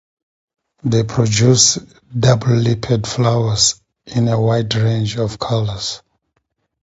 They produce double-lipped flowers in a wide range of colours.